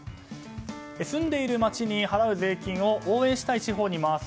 住んでいる街に払う税金を応援したい地方に回す